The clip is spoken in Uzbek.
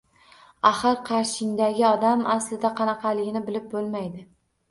Axir qarshingdagi odam aslida qanaqaligini bilib boʻlmaydi